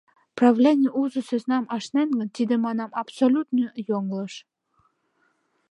Правлений узо сӧснам ашнен гын, тиде, манам, абсолютно йоҥылыш...